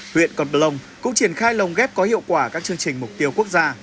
huyện còn bà long cũng triển khai lồng ghép có hiệu quả các chương trình mục tiêu quốc gia